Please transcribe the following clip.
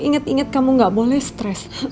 ingat ingat kamu gak boleh stres